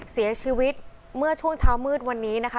เสียชีวิตเมื่อช่วงเช้ามืดวันนี้นะคะ